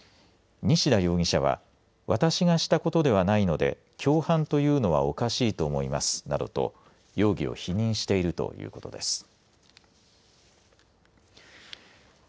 西田容疑者は私がしたことではないので共犯というのはおかしいと思いますなどと容疑を否認しているということです。